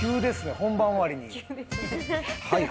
本番終わりに。